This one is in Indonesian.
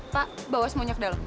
pak bawa semuanya ke dalam